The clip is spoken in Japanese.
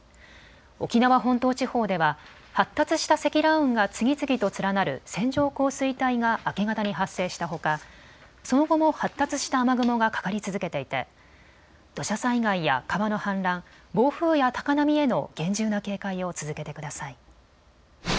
沖縄本島地方では発達した積乱雲が次々と連なる線状降水帯が明け方に発生したほか、その後も発達した雨雲がかかり続けていて土砂災害や川の氾濫、暴風や高波への厳重な警戒を続けてください。